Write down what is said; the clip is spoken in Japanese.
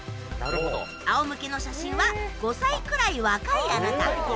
仰向けの写真は５歳くらい若いあなた。